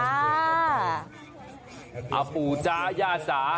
อ่าปู่จ้าย่าสา